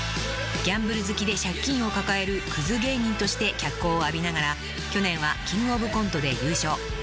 ［ギャンブル好きで借金を抱えるクズ芸人として脚光を浴びながら去年はキングオブコントで優勝］